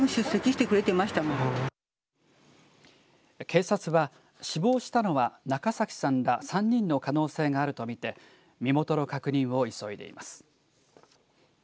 警察は死亡したのは中崎さんら３人の可能性があるとみて身元の確認を急いでいます。